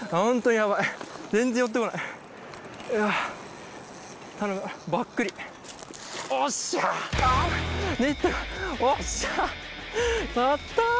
やった！